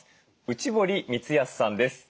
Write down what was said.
内堀光康さんです。